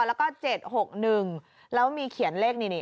แล้วก็เจ็ดหกหนึ่งแล้วมีเขียนเลขนี่นี่